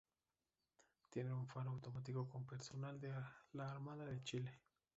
Tiene un faro automático con personal de la Armada de Chile.